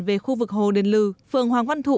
về khu vực hồ đền lư phường hoàng văn thụ